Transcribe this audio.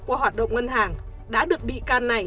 qua hoạt động ngân hàng đã được bị can này